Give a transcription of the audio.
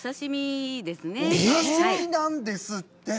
お刺身なんですって。